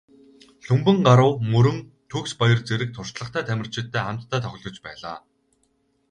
Лхүмбэнгарав, Мөрөн, Төгсбаяр зэрэг туршлагатай тамирчидтай хамтдаа тоглож байлаа.